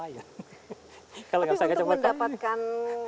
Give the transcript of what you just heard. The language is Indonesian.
kalau nggak usah kacau kacauin tapi untuk mendapatkan